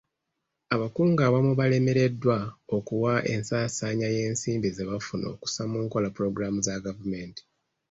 Abakungu abamu balemereddwa okuwa ensaasaanya y'ensimbi ze baafuna okussa mu nkola pulogulaamu za gavumenti.